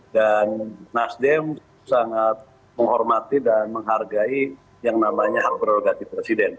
dan nasdem sangat menghormati dan menghargai yang namanya hak prerogatif presiden